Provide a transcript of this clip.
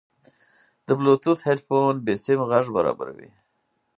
د بلوتوث هیډفون بېسیم غږ برابروي.